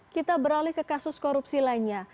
kita beralih ke kasus korupsi lainnya